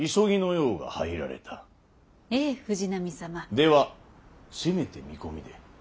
ではせめて見込みで。